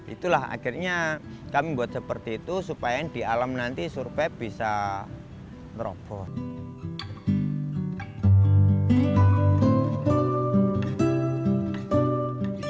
itulah akhirnya kami buat seperti itu supaya di alam nanti survei bisa meroboh